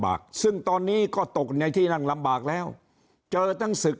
บากซึ่งตอนนี้ก็ตกในที่นั่งลำบากแล้วเจอทั้งศึก